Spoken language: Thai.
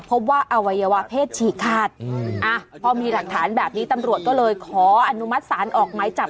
ว่าอวัยวะเพศฉีกขาดพอมีหลักฐานแบบนี้ตำรวจก็เลยขออนุมัติศาลออกไม้จับ